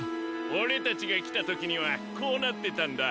オレたちがきたときにはこうなってたんだ。